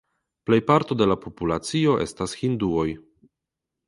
Plejparto de la populacio estas hinduoj.